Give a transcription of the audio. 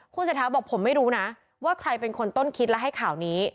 เศรษฐาบอกผมไม่รู้นะว่าใครเป็นคนต้นคิดและให้ข่าวนี้